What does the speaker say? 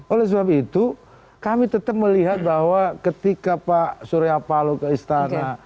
oleh sebab itu kami tetap melihat bahwa ketika pak surya palo ke istana